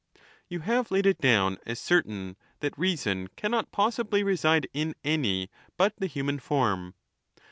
You have laid it down as <;ertain that reason cannot possibly reside in any but the human form.